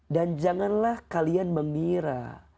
dan janganlah kalian mengira